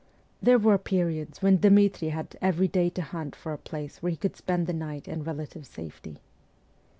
There were periods when Dmitri had every day to hunt for a place where he could spend the night in relative safety.